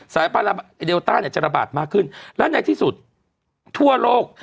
สายพันธุ์เดลต้าจะระบาดมากขึ้นและในที่สุดทั่วโลก